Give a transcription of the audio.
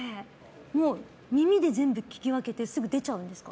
もう耳で全部聞き分けてすぐ出ちゃうんですか？